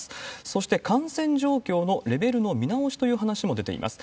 そして感染状況のレベルの見直しという話も出ています。